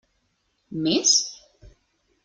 Més?